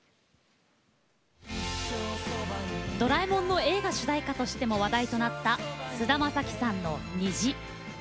「ドラえもん」の映画主題歌としても話題となった菅田将暉さんの「虹」。